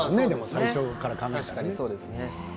最初から考えたら。